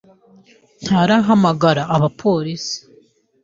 ntarahamagara abapolisi.